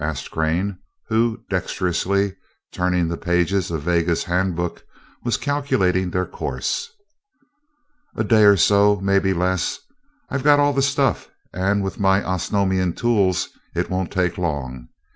asked Crane, who, dexterously turning the pages of "Vega's Handbuch" was calculating their course. "A day or so maybe less. I've got all the stuff and with my Osnomian tools it won't take long.